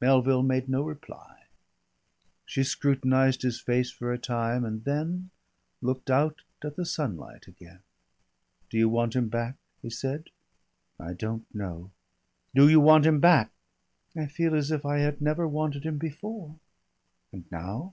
Melville made no reply. She scrutinised his face for a time, and then looked out at the sunlight again. "Do you want him back?" he said. "I don't know." "Do you want him back?" "I feel as if I had never wanted him before." "And now?"